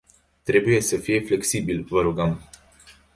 Trebuie să fie flexibil, vă rugăm!